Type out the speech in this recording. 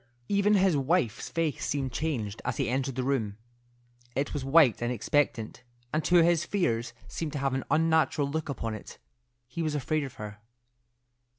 Even his wife's face seemed changed as he entered the room. It was white and expectant, and to his fears seemed to have an unnatural look upon it. He was afraid of her.